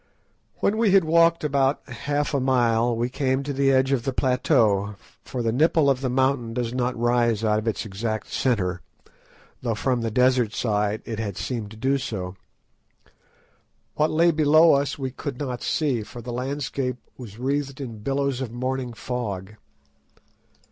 When we had walked about half a mile we came to the edge of the plateau, for the nipple of the mountain does not rise out of its exact centre, though from the desert side it had seemed to do so. What lay below us we could not see, for the landscape was wreathed in billows of morning fog.